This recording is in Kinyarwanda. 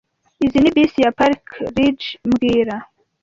Izoi ni bisi ya Park Ridge mbwira